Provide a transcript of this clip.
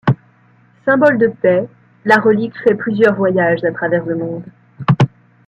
Symbole de paix, la relique fait plusieurs voyages à travers le monde.